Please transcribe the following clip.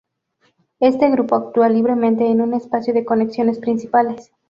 Este grupo actúa libremente en un espacio de conexiones principales.